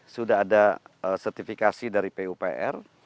sudah ada sertifikasi dari pupr